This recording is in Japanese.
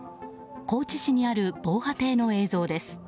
高知市にある防波堤の映像です。